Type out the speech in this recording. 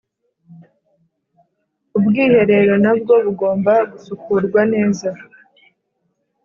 Ubwiherero na bwo bugomba gusukurwa neza